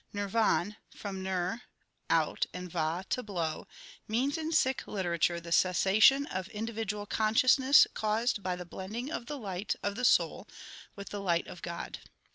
Nirvan, from nir out and va to blow, means in Sikh literature the cessation of individual consciousness caused by the blending of the light of the soul with the light of God.